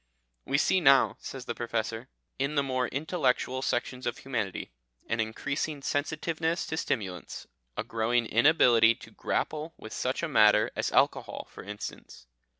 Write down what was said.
"We see now," says the Professor, "in the more intellectual sections of humanity an increasing sensitiveness to stimulants, a growing inability to grapple with such a matter as alcohol, for instance.